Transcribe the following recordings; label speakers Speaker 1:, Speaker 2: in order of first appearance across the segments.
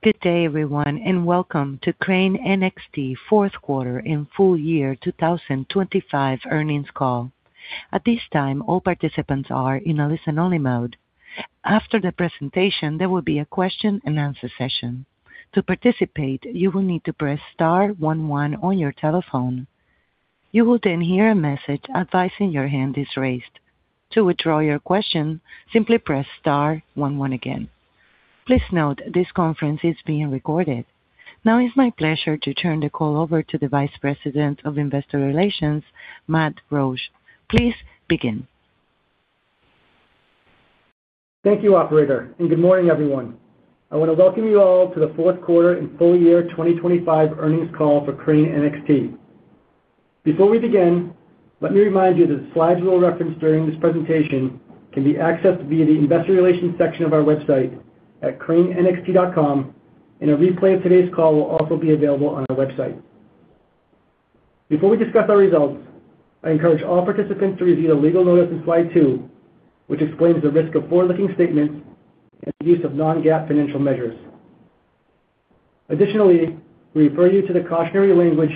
Speaker 1: Good day, everyone, and welcome to Crane NXT fourth quarter and full year 2025 earnings call. At this time, all participants are in a listen-only mode. After the presentation, there will be a question-and-answer session. To participate, you will need to press star one one on your telephone. You will then hear a message advising your hand is raised. To withdraw your question, simply press star one one again. Please note, this conference is being recorded. Now it's my pleasure to turn the call over to the Vice President of Investor Relations, Matt Roache. Please begin.
Speaker 2: Thank you, operator, and good morning, everyone. I want to welcome you all to the fourth quarter and full year 2025 earnings call for Crane NXT. Before we begin, let me remind you that the slides we'll reference during this presentation can be accessed via the Investor Relations section of our website at cranenxt.com, and a replay of today's call will also be available on our website. Before we discuss our results, I encourage all participants to review the legal notice on slide two, which explains the risk of forward-looking statements and the use of non-GAAP financial measures. Additionally, we refer you to the cautionary language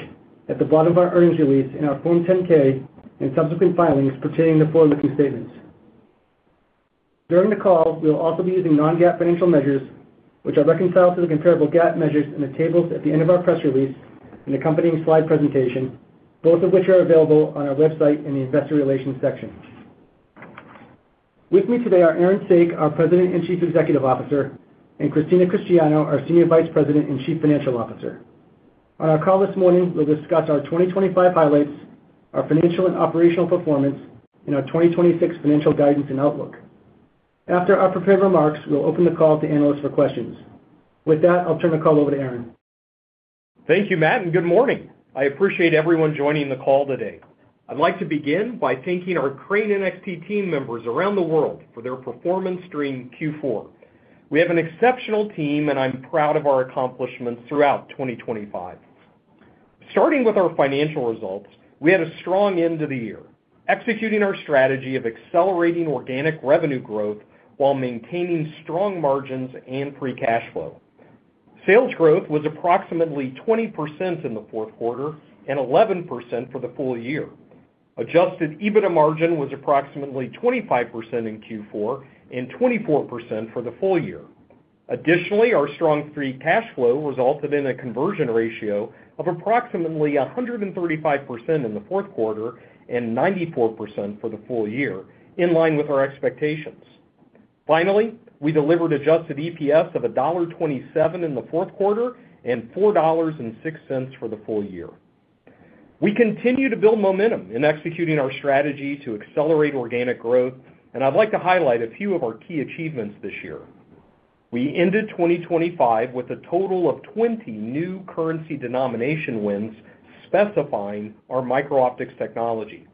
Speaker 2: at the bottom of our earnings release in our Form 10-K and subsequent filings pertaining to forward-looking statements. During the call, we will also be using non-GAAP financial measures, which are reconciled to the comparable GAAP measures in the tables at the end of our press release and accompanying slide presentation, both of which are available on our website in the Investor Relations section. With me today are Aaron Saak, our President and Chief Executive Officer, and Christina Cristiano, our Senior Vice President and Chief Financial Officer. On our call this morning, we'll discuss our 2025 highlights, our financial and operational performance, and our 2026 financial guidance and outlook. After our prepared remarks, we'll open the call to analysts for questions. With that, I'll turn the call over to Aaron.
Speaker 3: Thank you, Matt, and good morning. I appreciate everyone joining the call today. I'd like to begin by thanking our Crane NXT team members around the world for their performance during Q4. We have an exceptional team, and I'm proud of our accomplishments throughout 2025. Starting with our financial results, we had a strong end to the year, executing our strategy of accelerating organic revenue growth while maintaining strong margins and free cash flow. Sales growth was approximately 20% in the fourth quarter and 11% for the full year. Adjusted EBITDA margin was approximately 25% in Q4 and 24% for the full year. Additionally, our strong free cash flow resulted in a conversion ratio of approximately 135% in the fourth quarter and 94% for the full year, in line with our expectations. Finally, we delivered adjusted EPS of $1.27 in the fourth quarter and $4.06 for the full year. We continue to build momentum in executing our strategy to accelerate organic growth, and I'd like to highlight a few of our key achievements this year. We ended 2025 with a total of 20 new currency denomination wins, specifying our micro-optics technology.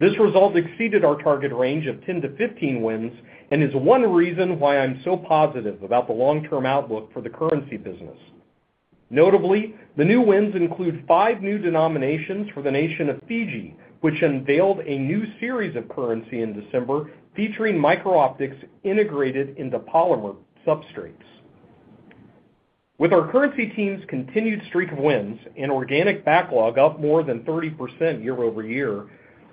Speaker 3: This result exceeded our target range of 10-15 wins and is one reason why I'm so positive about the long-term outlook for the currency business. Notably, the new wins include five new denominations for the nation of Fiji, which unveiled a new series of currency in December, featuring micro-optics integrated into polymer substrates. With our currency team's continued streak of wins and organic backlog up more than 30% year-over-year,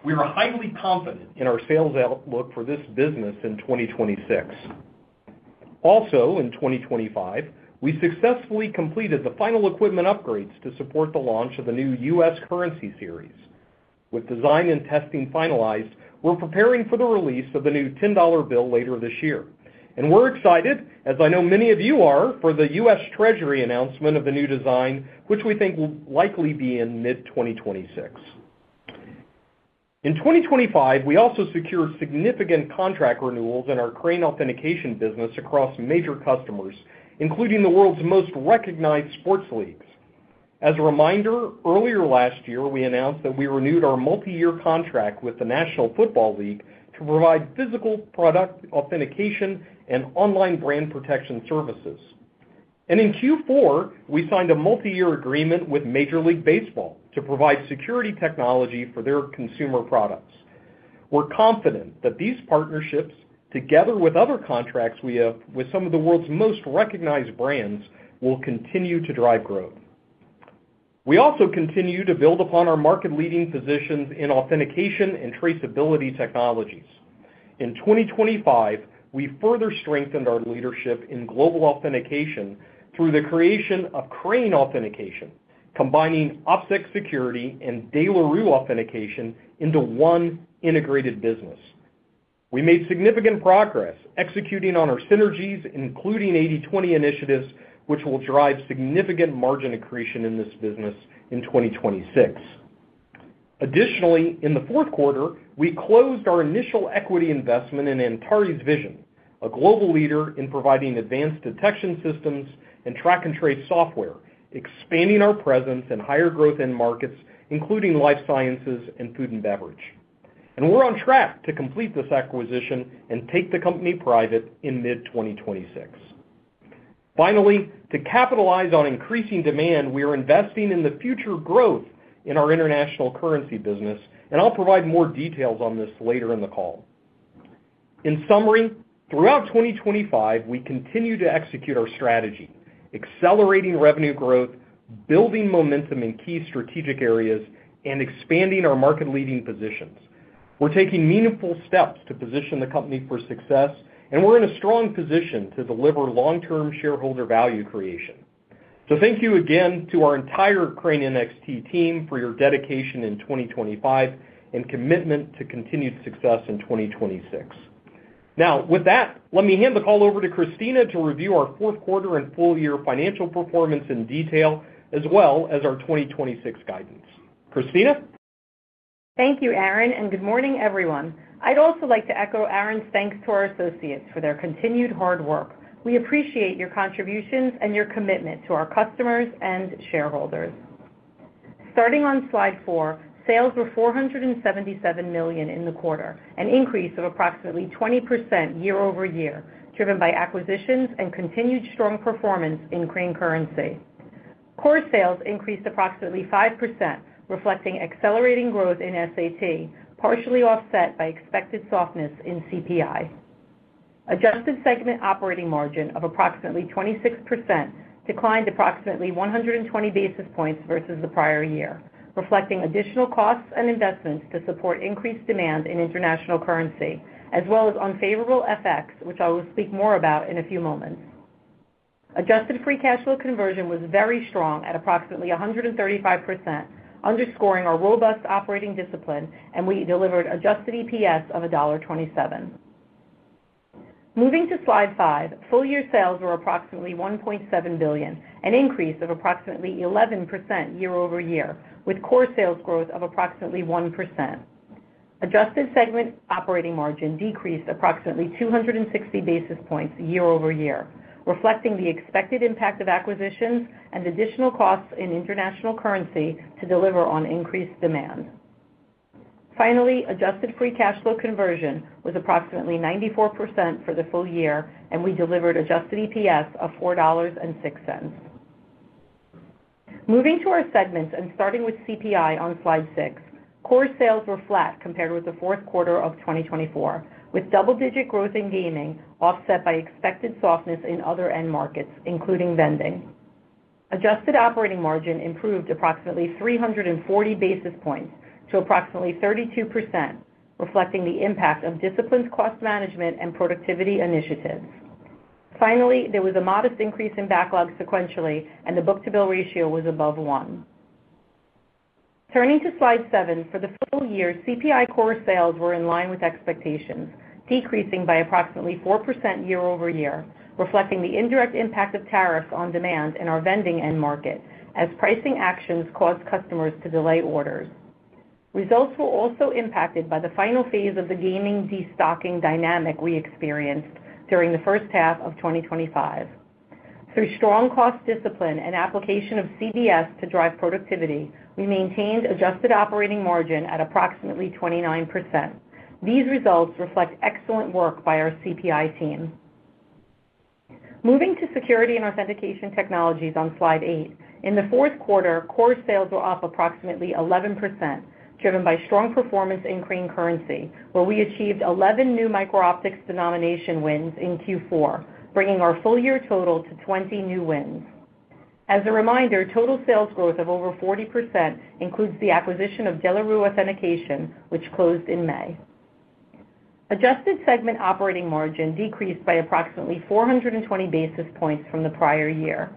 Speaker 3: we are highly confident in our sales outlook for this business in 2026. Also, in 2025, we successfully completed the final equipment upgrades to support the launch of the new U.S. currency series. With design and testing finalized, we're preparing for the release of the new $10 bill later this year, and we're excited, as I know many of you are, for the U.S. Treasury announcement of the new design, which we think will likely be in mid-2026. In 2025, we also secured significant contract renewals in our Crane Authentication business across major customers, including the world's most recognized sports leagues. As a reminder, earlier last year, we announced that we renewed our multiyear contract with the National Football League to provide physical product authentication and online brand protection services. And in Q4, we signed a multiyear agreement with Major League Baseball to provide security technology for their consumer products. We're confident that these partnerships, together with other contracts we have with some of the world's most recognized brands, will continue to drive growth. We also continue to build upon our market-leading positions in authentication and traceability technologies. In 2025, we further strengthened our leadership in global authentication through the creation of Crane Authentication, combining OpSec Security and De La Rue Authentication into one integrated business. We made significant progress executing on our synergies, including 80/20 initiatives, which will drive significant margin accretion in this business in 2026. Additionally, in the fourth quarter, we closed our initial equity investment in Antares Vision, a global leader in providing advanced detection systems and track and trace software, expanding our presence in higher growth end markets, including life sciences and food and beverage. We're on track to complete this acquisition and take the company private in mid-2026. Finally, to capitalize on increasing demand, we are investing in the future growth in our international currency business, and I'll provide more details on this later in the call. In summary, throughout 2025, we continue to execute our strategy, accelerating revenue growth, building momentum in key strategic areas, and expanding our market-leading positions. We're taking meaningful steps to position the company for success, and we're in a strong position to deliver long-term shareholder value creation. Thank you again to our entire Crane NXT team for your dedication in 2025 and commitment to continued success in 2026. Now, with that, let me hand the call over to Christina to review our fourth quarter and full year financial performance in detail, as well as our 2026 guidance. Christina?
Speaker 4: Thank you, Aaron, and good morning, everyone. I'd also like to echo Aaron's thanks to our associates for their continued hard work. We appreciate your contributions and your commitment to our customers and shareholders. Starting on slide four, sales were $477 million in the quarter, an increase of approximately 20% year-over-year, driven by acquisitions and continued strong performance in Crane Currency. Core sales increased approximately 5%, reflecting accelerating growth in SAT, partially offset by expected softness in CPI. Adjusted segment operating margin of approximately 26% declined approximately 120 basis points versus the prior year, reflecting additional costs and investments to support increased demand in international currency, as well as unfavorable FX, which I will speak more about in a few moments. Adjusted free cash flow conversion was very strong at approximately 135%, underscoring our robust operating discipline, and we delivered adjusted EPS of $1.27. Moving to slide five, full-year sales were approximately $1.7 billion, an increase of approximately 11% year-over-year, with core sales growth of approximately 1%. Adjusted segment operating margin decreased approximately 260 basis points year-over-year, reflecting the expected impact of acquisitions and additional costs in international currency to deliver on increased demand. Finally, adjusted free cash flow conversion was approximately 94% for the full year, and we delivered adjusted EPS of $4.06. Moving to our segments, and starting with CPI on slide six, core sales were flat compared with the fourth quarter of 2024, with double-digit growth in gaming offset by expected softness in other end markets, including vending. Adjusted operating margin improved approximately 340 basis points to approximately 32%, reflecting the impact of disciplined cost management and productivity initiatives. Finally, there was a modest increase in backlog sequentially, and the book-to-bill ratio was above one. Turning to slide seven, for the full year, CPI core sales were in line with expectations, decreasing by approximately 4% year-over-year, reflecting the indirect impact of tariffs on demand in our vending end market as pricing actions caused customers to delay orders. Results were also impacted by the final phase of the gaming destocking dynamic we experienced during the first half of 2025. Through strong cost discipline and application of CBS to drive productivity, we maintained adjusted operating margin at approximately 29%. These results reflect excellent work by our CPI team. Moving to Security and Authentication Technologies on slide eight. In the fourth quarter, core sales were up approximately 11%, driven by strong performance in Crane Currency, where we achieved 11 new micro-optics denomination wins in Q4, bringing our full year total to 20 new wins. As a reminder, total sales growth of over 40% includes the acquisition of De La Rue Authentication, which closed in May. Adjusted segment operating margin decreased by approximately 420 basis points from the prior year.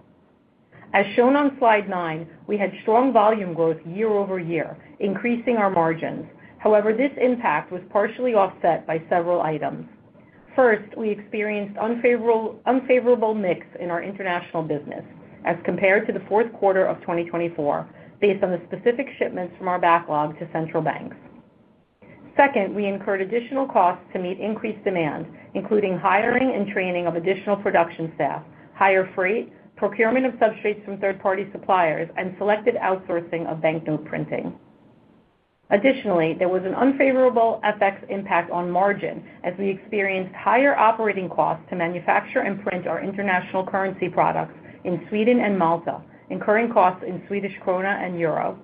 Speaker 4: As shown on slide nine, we had strong volume growth year-over-year, increasing our margins. However, this impact was partially offset by several items. First, we experienced unfavorable mix in our international business as compared to the fourth quarter of 2024, based on the specific shipments from our backlog to central banks. Second, we incurred additional costs to meet increased demand, including hiring and training of additional production staff, higher freight, procurement of substrates from third-party suppliers, and selected outsourcing of banknote printing. Additionally, there was an unfavorable FX impact on margin as we experienced higher operating costs to manufacture and print our international currency products in Sweden and Malta, incurring costs in Swedish krona and euro.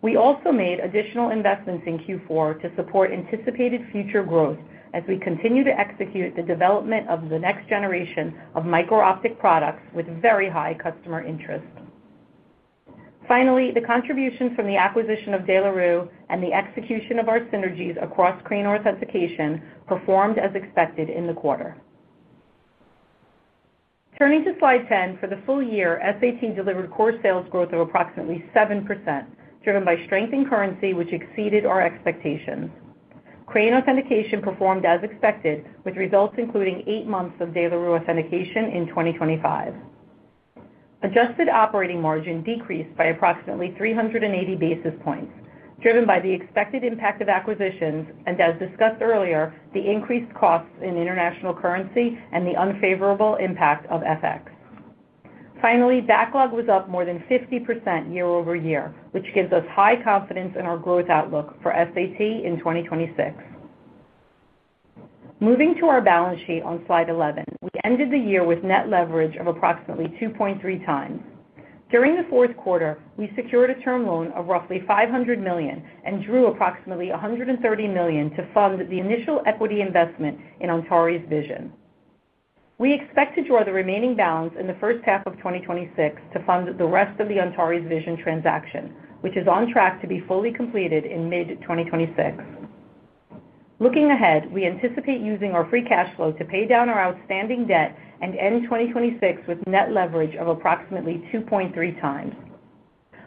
Speaker 4: We also made additional investments in Q4 to support anticipated future growth as we continue to execute the development of the next generation of micro-optic products with very high customer interest. Finally, the contribution from the acquisition of De La Rue and the execution of our synergies across Crane Authentication performed as expected in the quarter. Turning to Slide 10, for the full year, SAT delivered core sales growth of approximately 7%, driven by strength in currency, which exceeded our expectations. Crane Authentication performed as expected, with results including eight months of De La Rue Authentication in 2025. Adjusted operating margin decreased by approximately 380 basis points, driven by the expected impact of acquisitions, and as discussed earlier, the increased costs in international currency and the unfavorable impact of FX. Finally, backlog was up more than 50% year-over-year, which gives us high confidence in our growth outlook for SAT in 2026. Moving to our balance sheet on Slide 11, we ended the year with net leverage of approximately 2.3 times. During the fourth quarter, we secured a term loan of roughly $500 million and drew approximately $130 million to fund the initial equity investment in Antares Vision. We expect to draw the remaining balance in the first half of 2026 to fund the rest of the Antares Vision transaction, which is on track to be fully completed in mid-2026. Looking ahead, we anticipate using our free cash flow to pay down our outstanding debt and end 2026 with net leverage of approximately 2.3 times.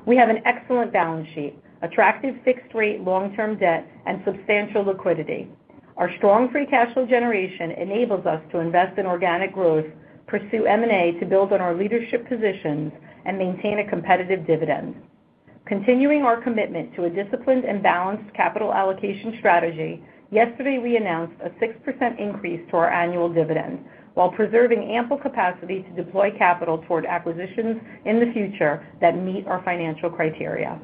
Speaker 4: We have an excellent balance sheet, attractive fixed rate long-term debt, and substantial liquidity. Our strong free cash flow generation enables us to invest in organic growth, pursue M&A to build on our leadership positions, and maintain a competitive dividend. Continuing our commitment to a disciplined and balanced capital allocation strategy, yesterday, we announced a 6% increase to our annual dividend while preserving ample capacity to deploy capital toward acquisitions in the future that meet our financial criteria.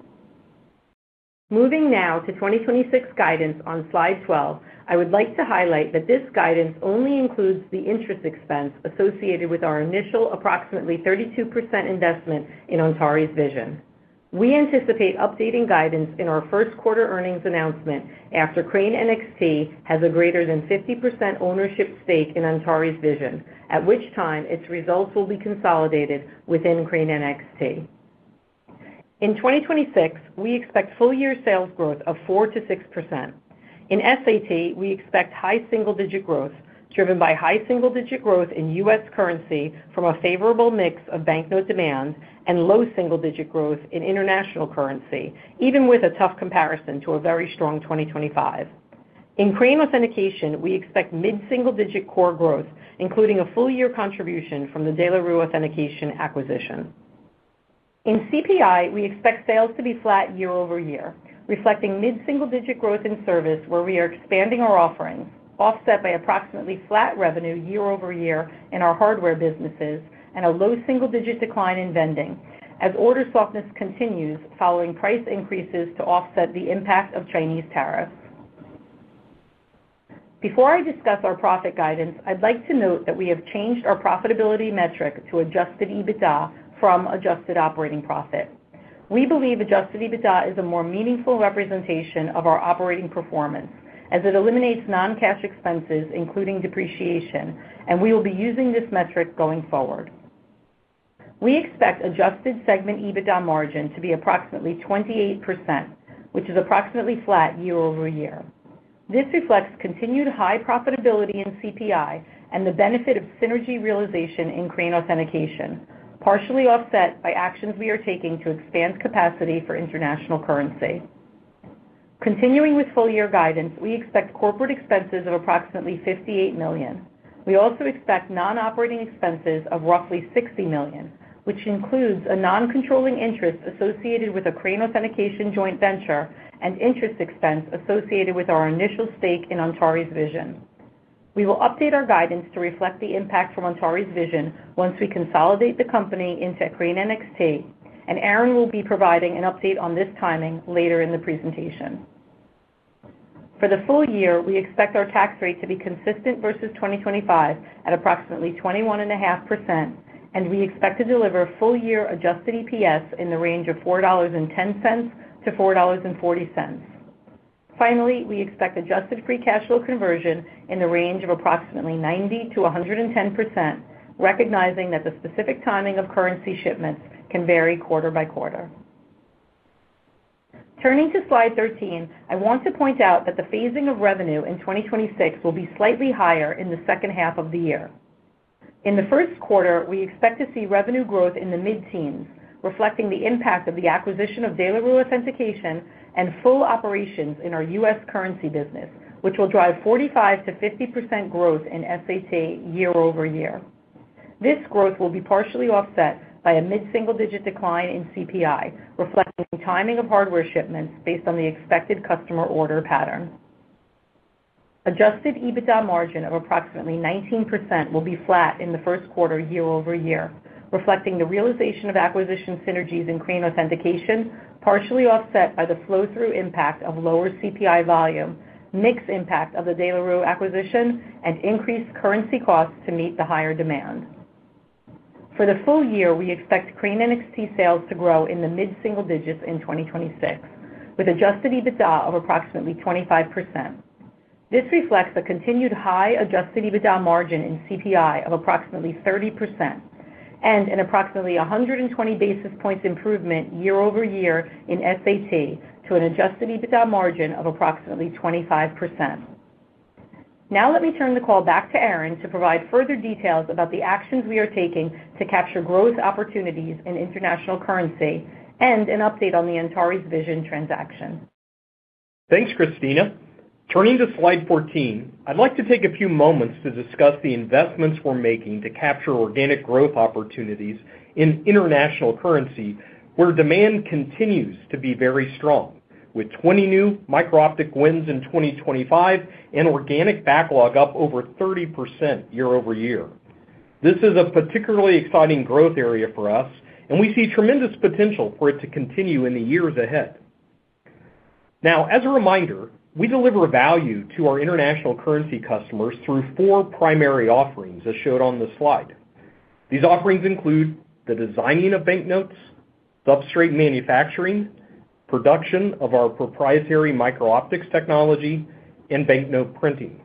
Speaker 4: Moving now to 2026 guidance on Slide 12, I would like to highlight that this guidance only includes the interest expense associated with our initial approximately 32% investment in Antares Vision. We anticipate updating guidance in our first quarter earnings announcement after Crane NXT has a greater than 50% ownership stake in Antares Vision, at which time its results will be consolidated within Crane NXT. In 2026, we expect full-year sales growth of 4%-6%. In SAT, we expect high single-digit growth, driven by high single-digit growth in U.S. currency from a favorable mix of banknote demand and low single-digit growth in international currency, even with a tough comparison to a very strong 2025. In Crane Authentication, we expect mid-single-digit core growth, including a full-year contribution from the De La Rue Authentication acquisition. In CPI, we expect sales to be flat year-over-year, reflecting mid-single-digit growth in service, where we are expanding our offerings, offset by approximately flat revenue year-over-year in our hardware businesses and a low single-digit decline in vending, as order softness continues following price increases to offset the impact of Chinese tariffs. Before I discuss our profit guidance, I'd like to note that we have changed our profitability metric to adjusted EBITDA from adjusted operating profit. We believe Adjusted EBITDA is a more meaningful representation of our operating performance, as it eliminates non-cash expenses, including depreciation, and we will be using this metric going forward. We expect adjusted segment EBITDA margin to be approximately 28%, which is approximately flat year-over-year. This reflects continued high profitability in CPI and the benefit of synergy realization in Crane Authentication, partially offset by actions we are taking to expand capacity for international currency. Continuing with full year guidance, we expect corporate expenses of approximately $58 million. We also expect non-operating expenses of roughly $60 million, which includes a non-controlling interest associated with a Crane Authentication joint venture and interest expense associated with our initial stake in Antares Vision. We will update our guidance to reflect the impact from Antares Vision once we consolidate the company into Crane NXT, and Aaron will be providing an update on this timing later in the presentation. For the full year, we expect our tax rate to be consistent versus 2025 at approximately 21.5%, and we expect to deliver full-year Adjusted EPS in the range of $4.10-$4.40. Finally, we expect adjusted free cash flow conversion in the range of approximately 90%-110%, recognizing that the specific timing of currency shipments can vary quarter by quarter. Turning to Slide 13, I want to point out that the phasing of revenue in 2026 will be slightly higher in the second half of the year. In the first quarter, we expect to see revenue growth in the mid-teens, reflecting the impact of the acquisition of De La Rue Authentication and full operations in our U.S. currency business, which will drive 45%-50% growth in SAT year-over-year. This growth will be partially offset by a mid-single-digit decline in CPI, reflecting timing of hardware shipments based on the expected customer order pattern. Adjusted EBITDA margin of approximately 19% will be flat in the first quarter year-over-year, reflecting the realization of acquisition synergies in Crane Authentication, partially offset by the flow-through impact of lower CPI volume, mix impact of the De La Rue acquisition, and increased currency costs to meet the higher demand. For the full year, we expect Crane NXT sales to grow in the mid-single digits in 2026, with adjusted EBITDA of approximately 25%. This reflects a continued high Adjusted EBITDA margin in CPI of approximately 30% and an approximate 120 basis points improvement year-over-year in SAT to an Adjusted EBITDA margin of approximately 25%. Now let me turn the call back to Aaron to provide further details about the actions we are taking to capture growth opportunities in international currency and an update on the Antares Vision transaction.
Speaker 3: Thanks, Christina. Turning to Slide 14, I'd like to take a few moments to discuss the investments we're making to capture organic growth opportunities in international currency, where demand continues to be very strong, with 20 new Micro-optics wins in 2025 and organic backlog up over 30% year-over-year. This is a particularly exciting growth area for us, and we see tremendous potential for it to continue in the years ahead. Now, as a reminder, we deliver value to our international currency customers through four primary offerings, as shown on the slide. These offerings include the designing of banknotes, substrate manufacturing, production of our proprietary micro-optics technology, and banknote printing.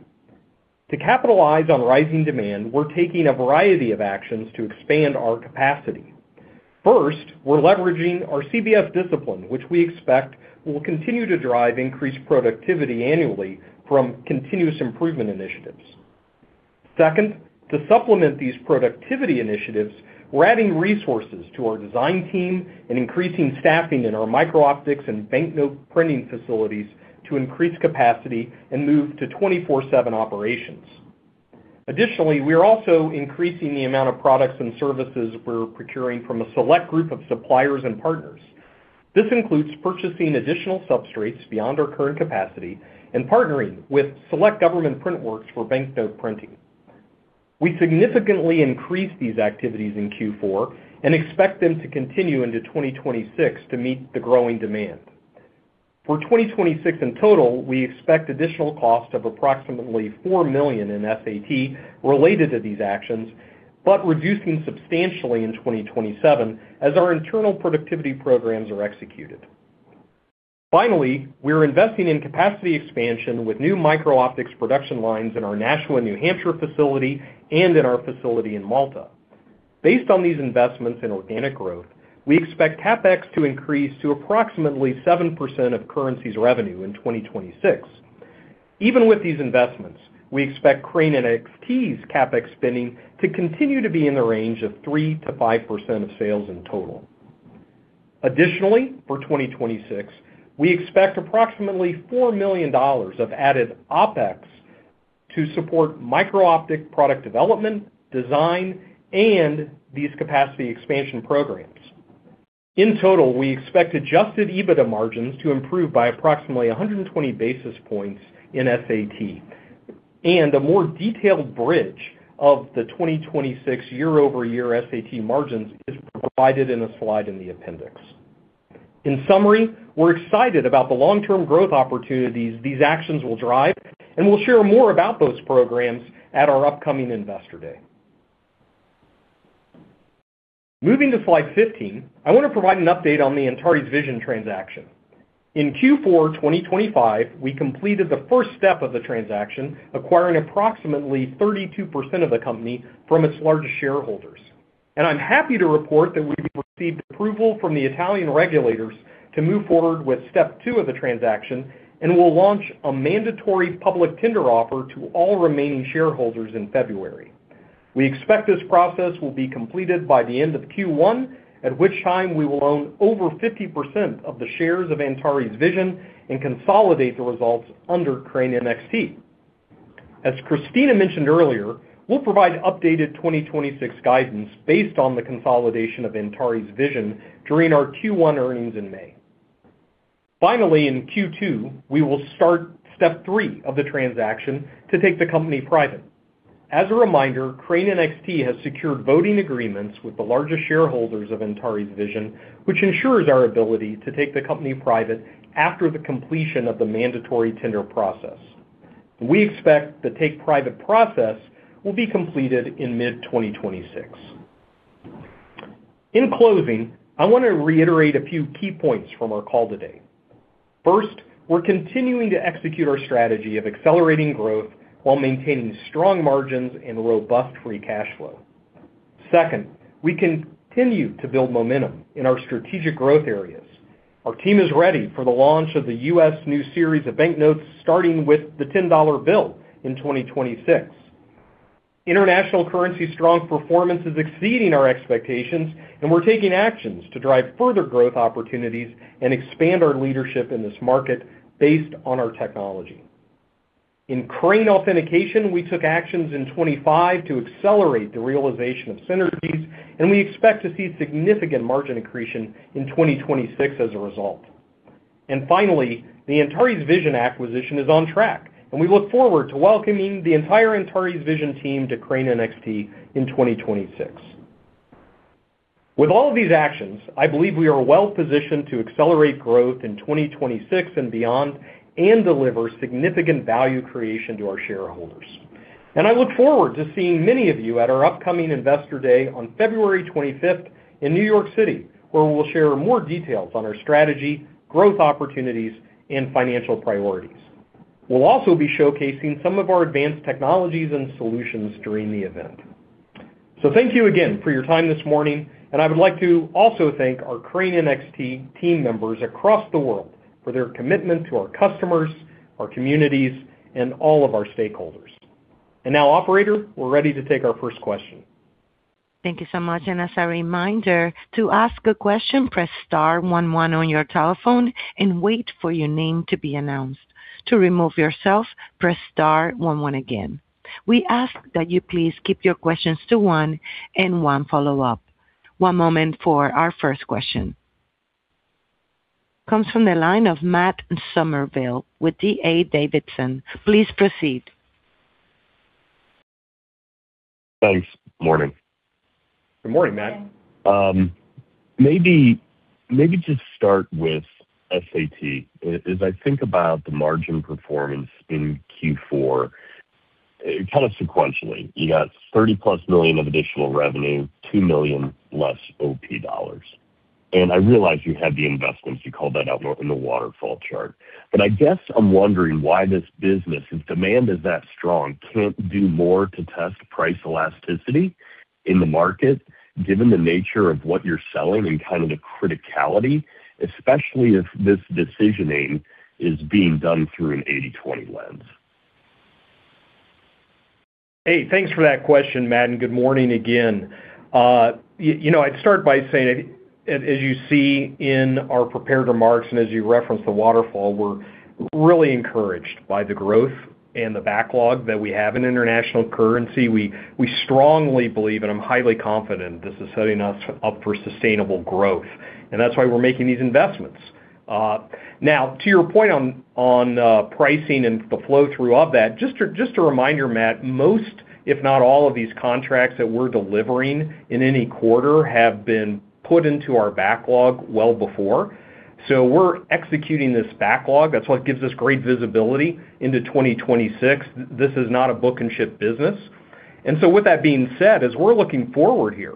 Speaker 3: To capitalize on rising demand, we're taking a variety of actions to expand our capacity. First, we're leveraging our CBS discipline, which we expect will continue to drive increased productivity annually from continuous improvement initiatives. Second, to supplement these productivity initiatives, we're adding resources to our design team and increasing staffing in our micro-optics and banknote printing facilities to increase capacity and move to 24/7 operations. Additionally, we are also increasing the amount of products and services we're procuring from a select group of suppliers and partners. This includes purchasing additional substrates beyond our current capacity and partnering with select government print works for banknote printing. We significantly increased these activities in Q4 and expect them to continue into 2026 to meet the growing demand. For 2026 in total, we expect additional cost of approximately $4 million in SAT related to these actions, but reducing substantially in 2027 as our internal productivity programs are executed. Finally, we're investing in capacity expansion with new micro-optics production lines in our Nashua, New Hampshire, facility and in our facility in Malta. Based on these investments in organic growth, we expect CapEx to increase to approximately 7% of currency's revenue in 2026. Even with these investments, we expect Crane NXT's CapEx spending to continue to be in the range of 3%-5% of sales in total. Additionally, for 2026, we expect approximately $4 million of added OpEx to support micro-optic product development, design, and these capacity expansion programs. In total, we expect adjusted EBITDA margins to improve by approximately 120 basis points in SAT. And a more detailed bridge of the 2026 year-over-year SAT margins is provided in a slide in the appendix. In summary, we're excited about the long-term growth opportunities these actions will drive, and we'll share more about those programs at our upcoming Investor Day. Moving to slide 15, I want to provide an update on the Antares Vision transaction. In Q4 2025, we completed the first step of the transaction, acquiring approximately 32% of the company from its largest shareholders. I'm happy to report that we've received approval from the Italian regulators to move forward with step two of the transaction, and we'll launch a mandatory public tender offer to all remaining shareholders in February. We expect this process will be completed by the end of Q1, at which time we will own over 50% of the shares of Antares Vision and consolidate the results under Crane NXT. As Christina mentioned earlier, we'll provide updated 2026 guidance based on the consolidation of Antares Vision during our Q1 earnings in May. Finally, in Q2, we will start step three of the transaction to take the company private. As a reminder, Crane NXT has secured voting agreements with the largest shareholders of Antares Vision, which ensures our ability to take the company private after the completion of the mandatory tender process. We expect the take-private process will be completed in mid-2026. In closing, I want to reiterate a few key points from our call today. First, we're continuing to execute our strategy of accelerating growth while maintaining strong margins and robust free cash flow. Second, we continue to build momentum in our strategic growth areas. Our team is ready for the launch of the U.S. new series of banknotes, starting with the $10 bill in 2026. International currency strong performance is exceeding our expectations, and we're taking actions to drive further growth opportunities and expand our leadership in this market based on our technology. In Crane Authentication, we took actions in 2025 to accelerate the realization of synergies, and we expect to see significant margin accretion in 2026 as a result. And finally, the Antares Vision acquisition is on track, and we look forward to welcoming the entire Antares Vision team to Crane NXT in 2026. With all of these actions, I believe we are well positioned to accelerate growth in 2026 and beyond and deliver significant value creation to our shareholders. I look forward to seeing many of you at our upcoming Investor Day on February 25 in New York City, where we'll share more details on our strategy, growth opportunities, and financial priorities. We'll also be showcasing some of our advanced technologies and solutions during the event. Thank you again for your time this morning, and I would like to also thank our Crane NXT team members across the world for their commitment to our customers, our communities, and all of our stakeholders. Now, operator, we're ready to take our first question.
Speaker 1: Thank you so much. As a reminder, to ask a question, press star one one on your telephone and wait for your name to be announced. To remove yourself, press star one one again. We ask that you please keep your questions to one and one follow-up. One moment for our first question. Comes from the line of Matt Summerville with D.A. Davidson. Please proceed....
Speaker 5: Thanks. Morning.
Speaker 3: Good morning, Matt.
Speaker 5: Maybe, maybe just start with SAT. As I think about the margin performance in Q4, kind of sequentially, you got $30+ million of additional revenue, $2 million less OP dollars. And I realize you had the investments, you called that out in the waterfall chart. But I guess I'm wondering why this business, if demand is that strong, can't do more to test price elasticity in the market, given the nature of what you're selling and kind of the criticality, especially if this decisioning is being done through an 80/20 lens?
Speaker 3: Hey, thanks for that question, Matt, and good morning again. You know, I'd start by saying, as you see in our prepared remarks, and as you referenced the waterfall, we're really encouraged by the growth and the backlog that we have in international currency. We strongly believe, and I'm highly confident, this is setting us up for sustainable growth, and that's why we're making these investments. Now, to your point on pricing and the flow-through of that, just to remind you, Matt, most, if not all, of these contracts that we're delivering in any quarter have been put into our backlog well before. So we're executing this backlog. That's what gives us great visibility into 2026. This is not a book and ship business. With that being said, as we're looking forward here,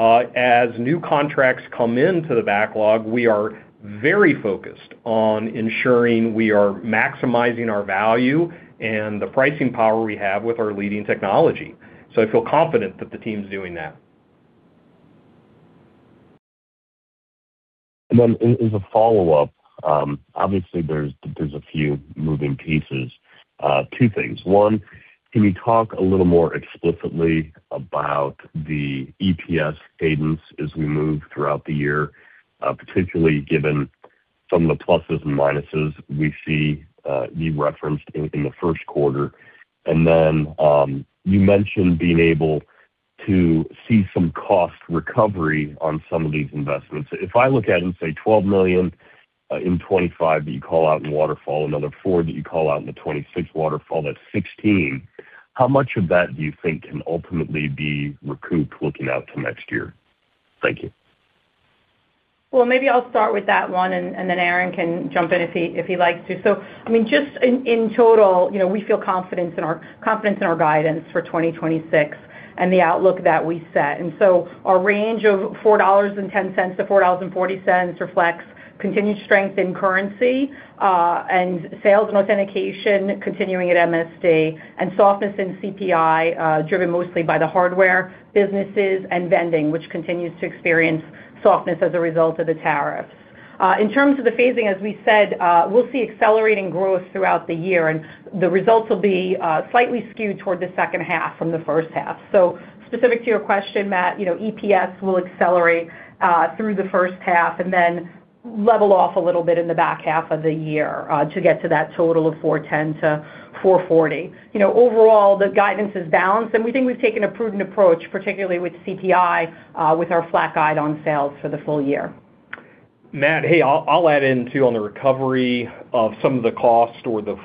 Speaker 3: as new contracts come into the backlog, we are very focused on ensuring we are maximizing our value and the pricing power we have with our leading technology. I feel confident that the team's doing that.
Speaker 5: And then as a follow-up, obviously, there's a few moving pieces. Two things: One, can you talk a little more explicitly about the EPS cadence as we move throughout the year, particularly given some of the pluses and minuses we see you referenced in the first quarter? And then, you mentioned being able to see some cost recovery on some of these investments. If I look at it and say $12 million in 2025, that you call out in waterfall, another $4 million that you call out in the 2026 waterfall, that's $16 million. How much of that do you think can ultimately be recouped looking out to next year? Thank you.
Speaker 4: Well, maybe I'll start with that one, and, and then Aaron can jump in if he, if he likes to. So, I mean, just in, in total, you know, we feel confidence in our confidence in our guidance for 2026 and the outlook that we set. And so our range of $4.10-$4.40 reflects continued strength in currency, and sales and authentication continuing at mid-single digitsSD, and softness in CPI, driven mostly by the hardware businesses and vending, which continues to experience softness as a result of the tariffs. In terms of the phasing, as we said, we'll see accelerating growth throughout the year, and the results will be slightly skewed toward the second half from the first half. So specific to your question, Matt, you know, EPS will accelerate through the first half and then level off a little bit in the back half of the year to get to that total of $4.10-$4.40. You know, overall, the guidance is balanced, and we think we've taken a prudent approach, particularly with CPI, with our flat guide on sales for the full year.
Speaker 3: Matt, hey, I'll add in, too, on the recovery of some of the costs or the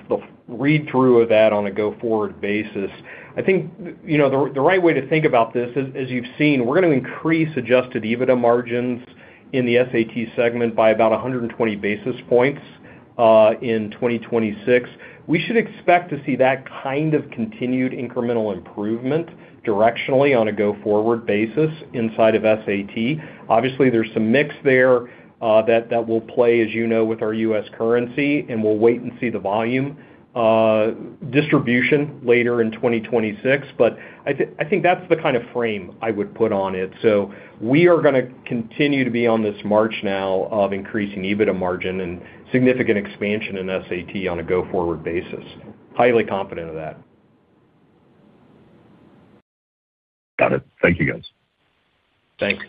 Speaker 3: read-through of that on a go-forward basis. I think, you know, the right way to think about this, as you've seen, we're going to increase adjusted EBITDA margins in the SAT segment by about 100 basis points in 2026. We should expect to see that kind of continued incremental improvement directionally on a go-forward basis inside of SAT. Obviously, there's some mix there that will play, as you know, with our U.S. currency, and we'll wait and see the volume distribution later in 2026. But I think that's the kind of frame I would put on it. We are gonna continue to be on this march now of increasing EBITDA margin and significant expansion in SAT on a go-forward basis. Highly confident of that.
Speaker 5: Got it. Thank you, guys.
Speaker 3: Thanks.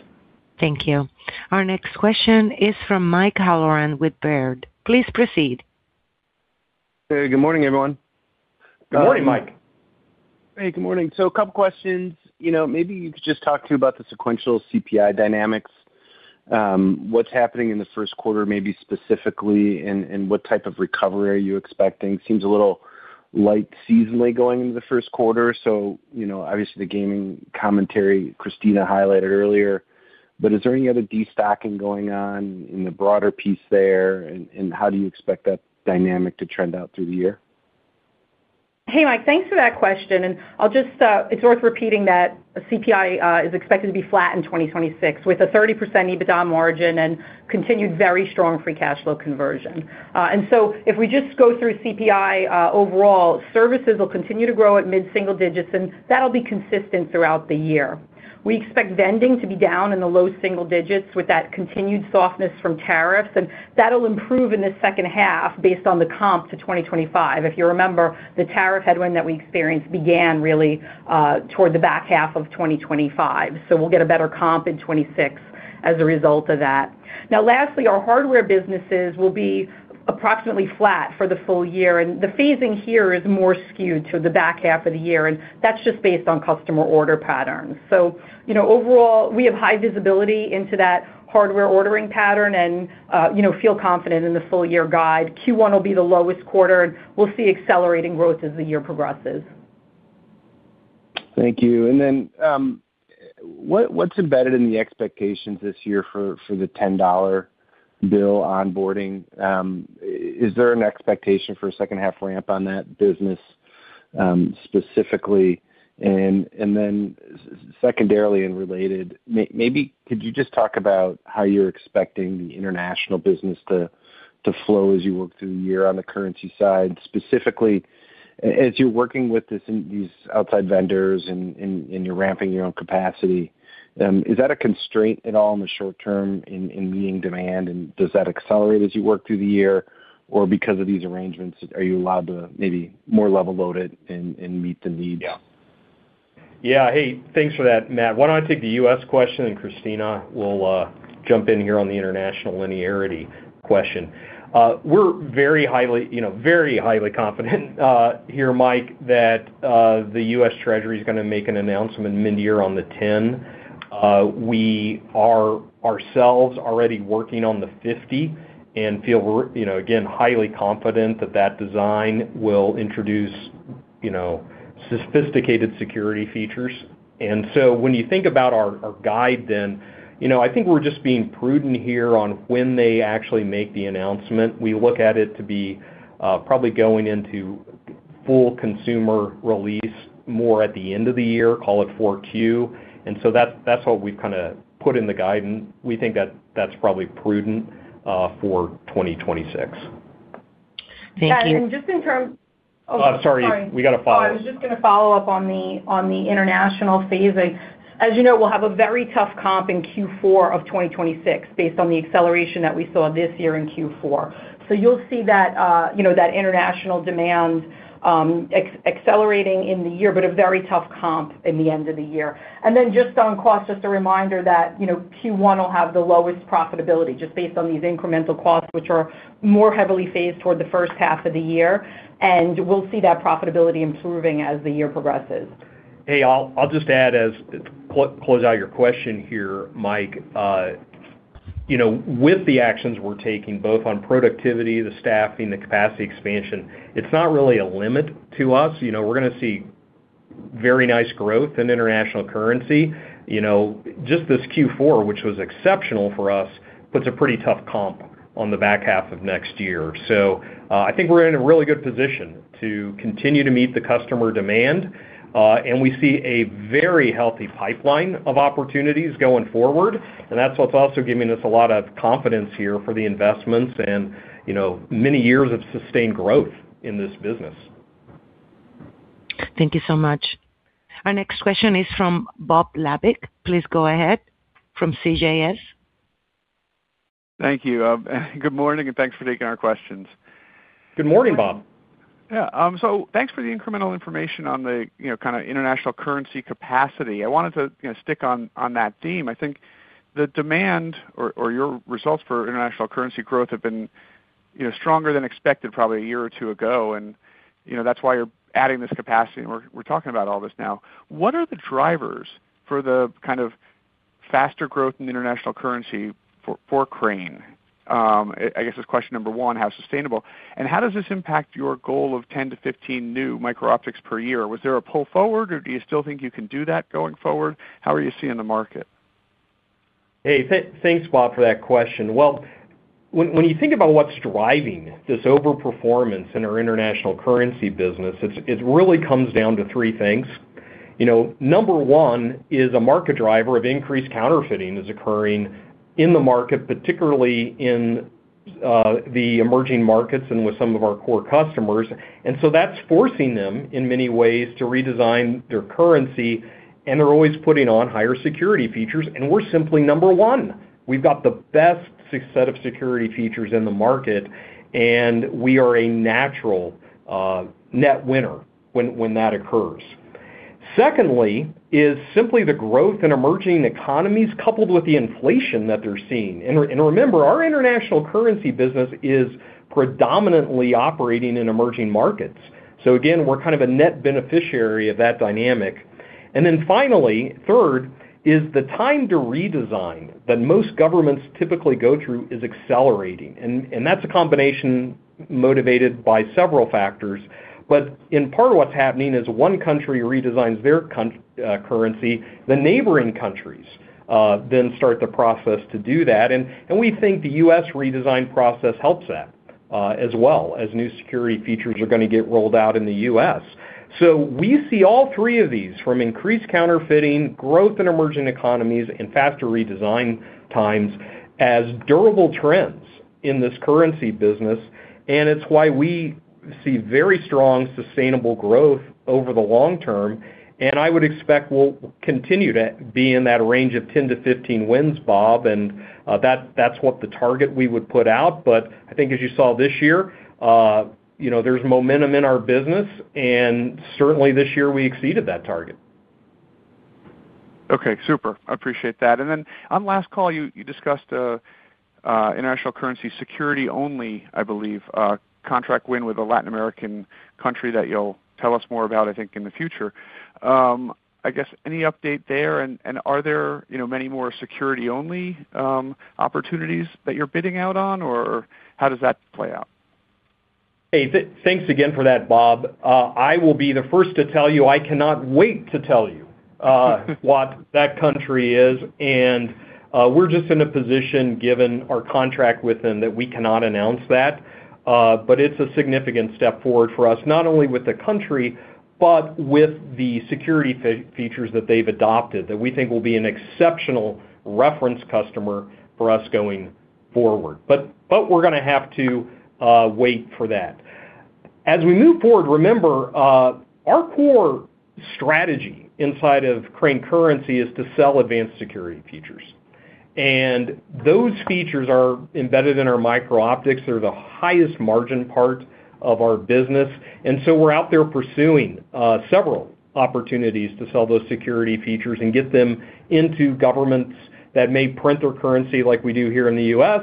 Speaker 1: Thank you. Our next question is from Mike Halloran with Baird. Please proceed.
Speaker 6: Hey, good morning, everyone.
Speaker 3: Good morning, Mike.
Speaker 6: Hey, good morning. So a couple questions. You know, maybe you could just talk to about the sequential CPI dynamics, what's happening in the first quarter, maybe specifically, and, and what type of recovery are you expecting? Seems a little light seasonally going into the first quarter. So, you know, obviously, the gaming commentary Christina highlighted earlier, but is there any other destocking going on in the broader piece there, and, and how do you expect that dynamic to trend out through the year?
Speaker 4: Hey, Mike, thanks for that question, and I'll just. It's worth repeating that CPI is expected to be flat in 2026, with a 30% EBITDA margin and continued very strong free cash flow conversion. And so if we just go through CPI, overall, services will continue to grow at mid-single digits, and that'll be consistent throughout the year. We expect vending to be down in the low single digits with that continued softness from tariffs, and that'll improve in the second half based on the comp to 2025. If you remember, the tariff headwind that we experienced began really toward the back half of 2025, so we'll get a better comp in 2026 as a result of that. Now lastly, our hardware businesses will be approximately flat for the full year, and the phasing here is more skewed to the back half of the year, and that's just based on customer order patterns. So you know, overall, we have high visibility into that hardware ordering pattern and, you know, feel confident in the full year guide. Q1 will be the lowest quarter, and we'll see accelerating growth as the year progresses....
Speaker 6: Thank you. And then, what, what's embedded in the expectations this year for the $10 bill onboarding? Is there an expectation for a second-half ramp on that business, specifically? And then secondarily and related, maybe could you just talk about how you're expecting the international business to flow as you work through the year on the currency side, specifically, as you're working with these outside vendors and you're ramping your own capacity, is that a constraint at all in the short term in meeting demand? And does that accelerate as you work through the year? Or because of these arrangements, are you allowed to maybe more level load it and meet the needs?
Speaker 3: Yeah. Hey, thanks for that, Matt. Why don't I take the US question, and Christina will jump in here on the international linearity question. We're very highly, you know, very highly confident here, Mike, that the U.S. Treasury is going to make an announcement mid-year on the 10. We are ourselves already working on the 50 and feel we're, you know, again, highly confident that that design will introduce, you know, sophisticated security features. And so when you think about our, our guide, then, you know, I think we're just being prudent here on when they actually make the announcement. We look at it to be probably going into full consumer release more at the end of the year, call it Q4. And so that's, that's what we've kind of put in the guidance. We think that that's probably prudent for 2026.
Speaker 6: Thank you.
Speaker 4: Yeah, and just in terms-
Speaker 3: Oh, sorry.
Speaker 4: Sorry.
Speaker 3: We got a follow-up.
Speaker 4: I was just going to follow up on the, on the international phasing. As you know, we'll have a very tough comp in Q4 of 2026 based on the acceleration that we saw this year in Q4. So you'll see that, you know, that international demand accelerating in the year, but a very tough comp in the end of the year. And then just on cost, just a reminder that, you know, Q1 will have the lowest profitability, just based on these incremental costs, which are more heavily phased toward the first half of the year. And we'll see that profitability improving as the year progresses.
Speaker 3: Hey, I'll just add as close out your question here, Mike. You know, with the actions we're taking, both on productivity, the staffing, the capacity expansion, it's not really a limit to us. You know, we're going to see very nice growth in international currency. You know, just this Q4, which was exceptional for us, puts a pretty tough comp on the back half of next year. So, I think we're in a really good position to continue to meet the customer demand, and we see a very healthy pipeline of opportunities going forward, and that's what's also giving us a lot of confidence here for the investments and, you know, many years of sustained growth in this business.
Speaker 1: Thank you so much. Our next question is from Bob Labick. Please go ahead, from CJS.
Speaker 7: Thank you. Good morning, and thanks for taking our questions.
Speaker 3: Good morning, Bob.
Speaker 7: Yeah, so thanks for the incremental information on the, you know, kind of international currency capacity. I wanted to, you know, stick on that theme. I think the demand or your results for international currency growth have been, you know, stronger than expected, probably a year or two ago, and, you know, that's why you're adding this capacity, and we're talking about all this now. What are the drivers for the kind of faster growth in the international currency for Crane? I guess that's question number one, how sustainable, and how does this impact your goal of 10-15 new Micro-optics per year? Was there a pull forward, or do you still think you can do that going forward? How are you seeing the market?
Speaker 3: Hey, thanks, Bob, for that question. Well, when you think about what's driving this overperformance in our international currency business, it really comes down to three things. You know, number one is a market driver of increased counterfeiting is occurring in the market, particularly in the emerging markets and with some of our core customers. And so that's forcing them, in many ways, to redesign their currency, and they're always putting on higher security features, and we're simply number one. We've got the best set of security features in the market, and we are a natural net winner when that occurs. Secondly, is simply the growth in emerging economies, coupled with the inflation that they're seeing. And remember, our international currency business is predominantly operating in emerging markets. So again, we're kind of a net beneficiary of that dynamic. And then finally, third, the time to redesign that most governments typically go through is accelerating, and that's a combination motivated by several factors. But in part of what's happening is one country redesigns their currency, the neighboring countries then start the process to do that. And we think the U.S. redesign process helps that, as well, as new security features are going to get rolled out in the U.S. So we see all three of these, from increased counterfeiting, growth in emerging economies, and faster redesign times, as durable trends in this currency business, and it's why we see very strong, sustainable growth over the long term. And I would expect we'll continue to be in that range of 10-15 wins, Bob, and that's what the target we would put out. I think as you saw this year, you know, there's momentum in our business, and certainly, this year, we exceeded that target.
Speaker 7: Okay, super. I appreciate that. And then on last call, you discussed a international currency security only, I believe, contract win with a Latin American country that you'll tell us more about, I think, in the future. I guess, any update there, and are there, you know, many more security-only opportunities that you're bidding out on, or how does that play out?...
Speaker 3: Hey, thanks again for that, Bob. I will be the first to tell you, I cannot wait to tell you what that country is, and we're just in a position, given our contract with them, that we cannot announce that. But it's a significant step forward for us, not only with the country, but with the security features that they've adopted, that we think will be an exceptional reference customer for us going forward. But we're gonna have to wait for that. As we move forward, remember our core strategy inside of Crane Currency is to sell advanced security features, and those features are embedded in our Micro-optics. They're the highest margin part of our business. We're out there pursuing several opportunities to sell those security features and get them into governments that may print their currency like we do here in the U.S.,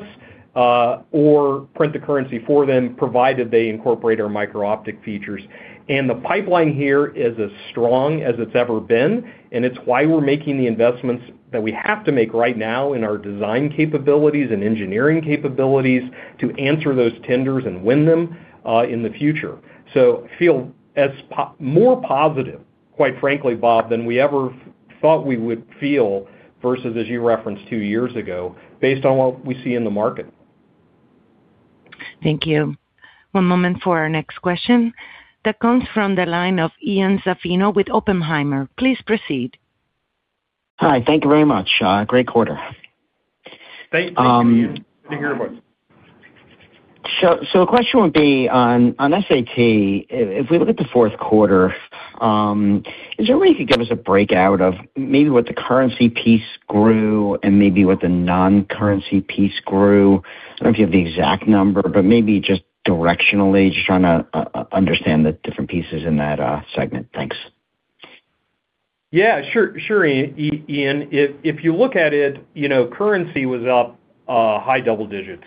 Speaker 3: or print the currency for them, provided they incorporate our micro-optic features. The pipeline here is as strong as it's ever been, and it's why we're making the investments that we have to make right now in our design capabilities and engineering capabilities to answer those tenders and win them in the future. So feel more positive, quite frankly, Bob, than we ever thought we would feel versus, as you referenced, two years ago, based on what we see in the market.
Speaker 1: Thank you. One moment for our next question. That comes from the line of Ian Zaffino with Oppenheimer. Please proceed.
Speaker 8: Hi, thank you very much. Great quarter.
Speaker 3: Thank you, Ian. Good to hear about it.
Speaker 8: So the question would be on SAT, if we look at the fourth quarter, is there a way you could give us a breakout of maybe what the currency piece grew and maybe what the non-currency piece grew? I don't know if you have the exact number, but maybe just directionally, just trying to understand the different pieces in that segment. Thanks.
Speaker 3: Yeah, sure. Sure, Ian. If you look at it, you know, currency was up high double digits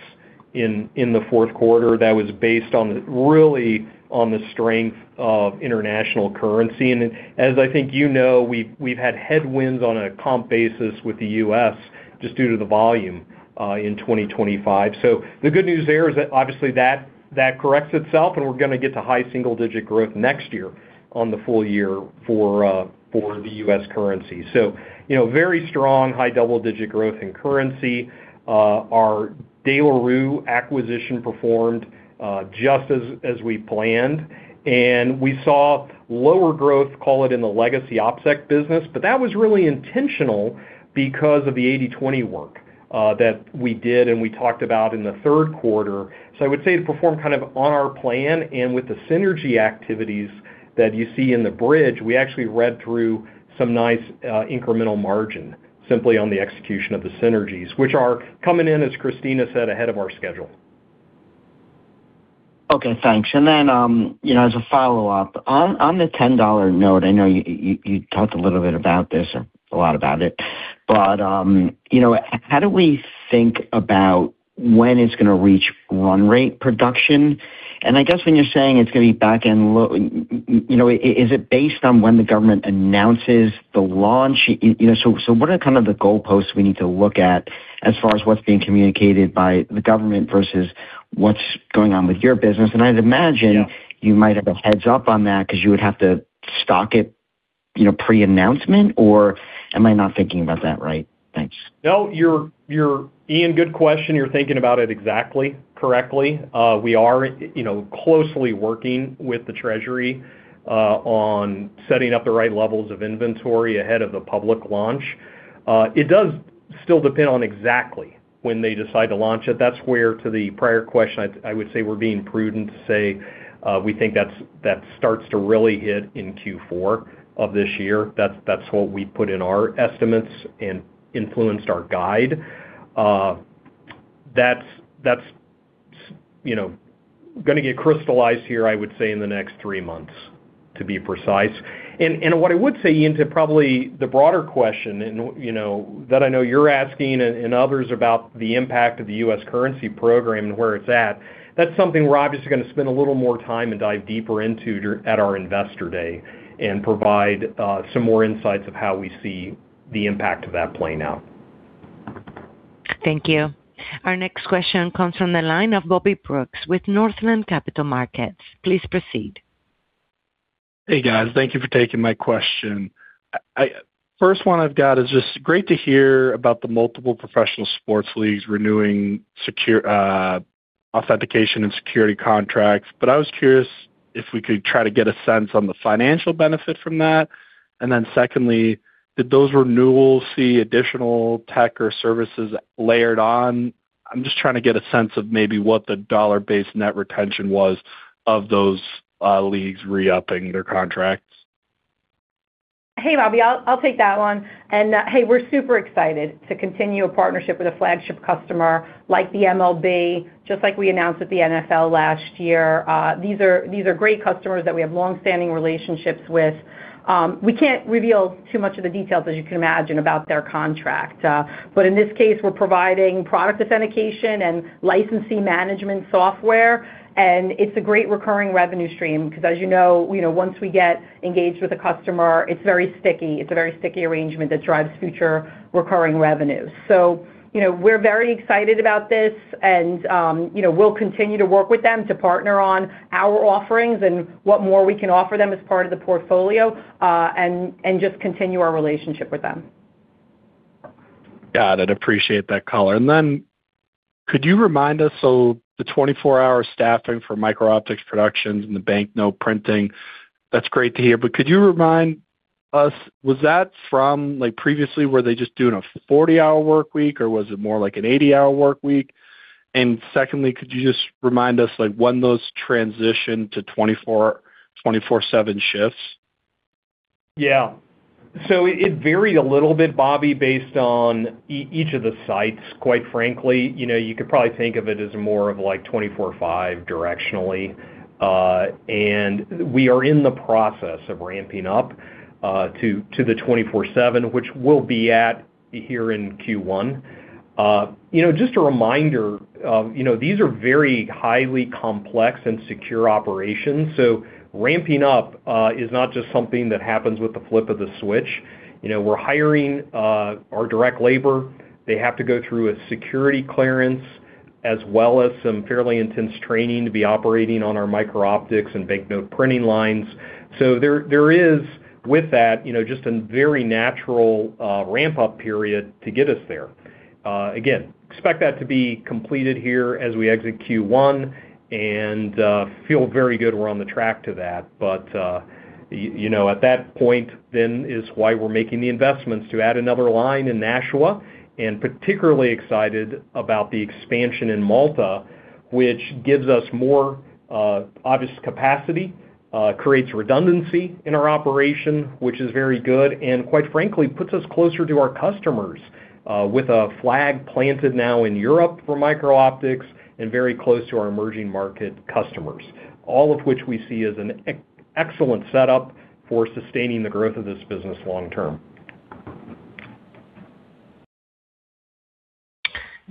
Speaker 3: in the fourth quarter. That was based on, really, on the strength of international currency. And as I think you know, we've had headwinds on a comp basis with the U.S. just due to the volume in 2025. So the good news there is that obviously that corrects itself, and we're gonna get to high single-digit growth next year on the full year for the U.S. currency. So, you know, very strong, high double-digit growth in currency. Our De La Rue acquisition performed just as we planned, and we saw lower growth, call it, in the legacy OpSec business. But that was really intentional because of the 80/20 work that we did, and we talked about in the third quarter. So I would say it performed kind of on our plan, and with the synergy activities that you see in the bridge, we actually read through some nice, incremental margin, simply on the execution of the synergies, which are coming in, as Christina said, ahead of our schedule.
Speaker 8: Okay, thanks. And then, you know, as a follow-up, on the $10 note, I know you talked a little bit about this or a lot about it, but, you know, how do we think about when it's gonna reach run rate production? And I guess when you're saying it's gonna be back-end loaded, you know, is it based on when the government announces the launch? You know, so what are kind of the goalposts we need to look at as far as what's being communicated by the government versus what's going on with your business? And I'd imagine-
Speaker 3: Yeah...
Speaker 8: you might have a heads up on that because you would have to stock it, you know, pre-announcement, or am I not thinking about that right? Thanks.
Speaker 3: No, you're, you're—Ian, good question. You're thinking about it exactly correctly. We are, you know, closely working with the Treasury on setting up the right levels of inventory ahead of the public launch. It does still depend on exactly when they decide to launch it. That's where, to the prior question, I would say we're being prudent to say we think that starts to really hit in Q4 of this year. That's, you know, gonna get crystallized here, I would say, in the next three months, to be precise. What I would say, Ian, to probably the broader question, and, you know, that I know you're asking and others about the impact of the U.S. currency program and where it's at, that's something we're obviously going to spend a little more time and dive deeper into during our Investor Day, and provide some more insights of how we see the impact of that playing out.
Speaker 1: Thank you. Our next question comes from the line of Bobby Brooks with Northland Capital Markets. Please proceed.
Speaker 9: Hey, guys. Thank you for taking my question. I first one I've got is just great to hear about the multiple professional sports leagues renewing secure, authentication and security contracts. But I was curious if we could try to get a sense on the financial benefit from that. And then secondly, did those renewals see additional tech or services layered on? I'm just trying to get a sense of maybe what the dollar-based net retention was of those, leagues re-upping their contracts.
Speaker 4: Hey, Bobby, I'll take that one. Hey, we're super excited to continue a partnership with a flagship customer like the MLB, just like we announced with the NFL last year. These are great customers that we have long-standing relationships with. We can't reveal too much of the details, as you can imagine, about their contract. But in this case, we're providing product authentication and licensing management software, and it's a great recurring revenue stream because, as you know, you know, once we get engaged with a customer, it's very sticky. It's a very sticky arrangement that drives future recurring revenues. So, you know, we're very excited about this and, you know, we'll continue to work with them to partner on our offerings and what more we can offer them as part of the portfolio, and just continue our relationship with them.
Speaker 9: Got it. Appreciate that color. And then could you remind us, so the 24-hour staffing for micro-optics productions and the banknote printing, that's great to hear. But could you remind us, was that from, like, previously, were they just doing a 40-hour workweek, or was it more like an 80-hour workweek? And secondly, could you just remind us, like, when those transition to 24, 24/7 shifts?
Speaker 3: Yeah. So it varied a little bit, Bobby, based on each of the sites, quite frankly. You know, you could probably think of it as more of like 24/5 directionally. And we are in the process of ramping up to the 24/7, which we'll be at here in Q1. You know, just a reminder, you know, these are very highly complex and secure operations, so ramping up is not just something that happens with the flip of the switch. You know, we're hiring our direct labor. They have to go through a security clearance, as well as some fairly intense training to be operating on our Micro-optics and banknote printing lines. So there is, with that, you know, just a very natural ramp-up period to get us there. Again, expect that to be completed here as we exit Q1 and feel very good we're on the track to that. But you know, at that point then is why we're making the investments to add another line in Nashua, and particularly excited about the expansion in Malta, which gives us more obvious capacity, creates redundancy in our operation, which is very good, and quite frankly, puts us closer to our customers with a flag planted now in Europe for Micro-optics and very close to our emerging market customers. All of which we see as an excellent setup for sustaining the growth of this business long term.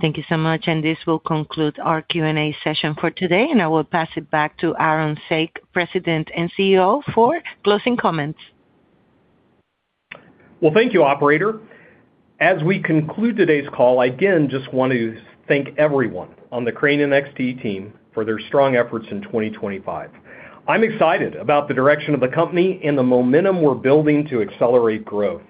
Speaker 1: Thank you so much, and this will conclude our Q&A session for today, and I will pass it back to Aaron Saak, President and CEO, for closing comments.
Speaker 3: Well, thank you, operator. As we conclude today's call, I again just want to thank everyone on the Crane NXT team for their strong efforts in 2025. I'm excited about the direction of the company and the momentum we're building to accelerate growth.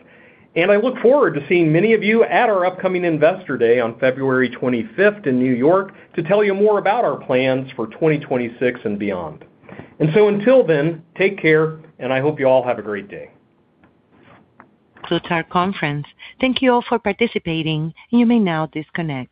Speaker 3: And I look forward to seeing many of you at our upcoming Investor Day on February 25th in New York to tell you more about our plans for 2026 and beyond. And so until then, take care, and I hope you all have a great day.
Speaker 1: Closes our conference. Thank you all for participating. You may now disconnect.